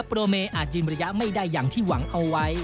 โปรเมอาจยืนระยะไม่ได้อย่างที่หวังเอาไว้